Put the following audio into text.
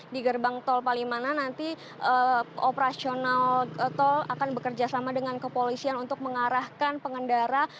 di gerbang tol palimanan nanti operasional tol akan bekerjasama dengan kepolisian untuk mengarahkan pengendara